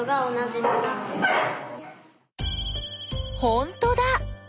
ほんとだ！